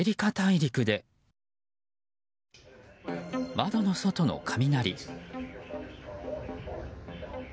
窓の外の雷。